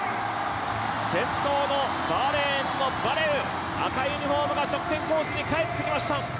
先頭のバーレーンのバレウ赤いユニフォームが直線コースに帰ってきました。